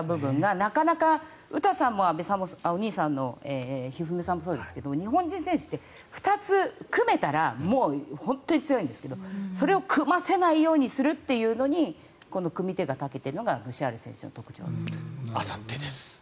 なかなか詩さんもお兄さんの一二三さんもそうですが日本人選手って２つ組めたら本当に強いんですけどそれを組ませないようにするというのに組み手が長けているのがブシャール選手の特徴です。